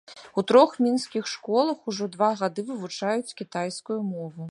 У трох мінскіх школах ужо два гады вывучаюць кітайскую мову.